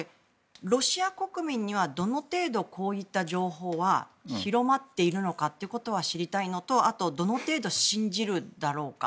ロシア国民にはどの程度こういった情報は広まっているのかってことが知りたいのとあと、どの程度信じるだろうか。